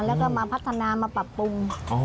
แล้วก็มาพัฒนามาปรับปรุง